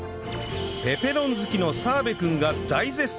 ペペロン好きの澤部くんが大絶賛！